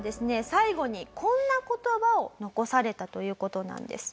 最後にこんな言葉を残されたという事なんです。